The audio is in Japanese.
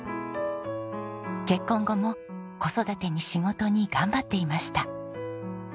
結婚後も子育てに仕事に頑張っていました。